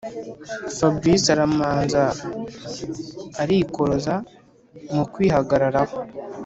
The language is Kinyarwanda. fabric aramanza arikoroza mukwihagararaho